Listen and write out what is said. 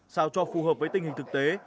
sao cho phù hợp với tình hình thực tế